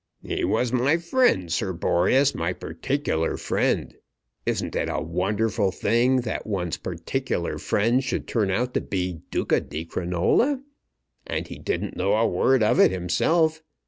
"He was my friend, Sir Boreas; my particular friend. Isn't it a wonderful thing, that one's particular friend should turn out to be Duca di Crinola! And he didn't know a word of it himself.